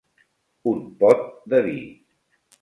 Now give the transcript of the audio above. Un pot de vi.